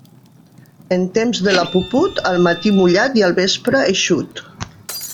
En temps de la puput, al matí mullat i al vespre eixut.